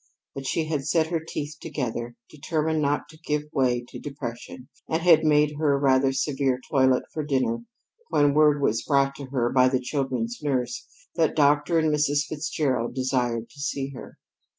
But she had set her teeth together, determined not to give way to depression, and had made her rather severe toilet for dinner when word was brought to her by the children's nurse that Dr. and Mrs. Fitzgerald desired to see her.